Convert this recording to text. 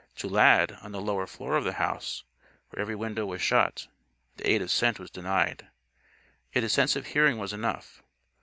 To Lad, on the lower floor of the house, where every window was shut, the aid of scent was denied. Yet his sense of hearing was enough.